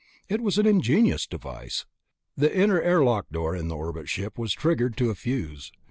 It was an ingenious device. The inner airlock door in the orbit ship was triggered to a fuse.